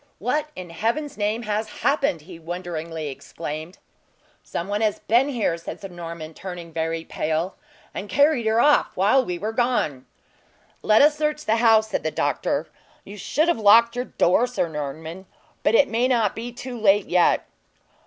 "What in Heaven's name has happened!" he wonderingly exclaimed. "Some one has been here," said Sir Norman, turning very pale, "and carried her off while we were gone." "Let us search the house," said the doctor; "you should have locked your door, Sir Norman; but it may not be too late yet."